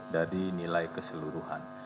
dari nilai keseluruhan